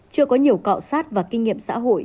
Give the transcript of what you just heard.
chưa có nhiều cọ sát và kinh nghiệm xã hội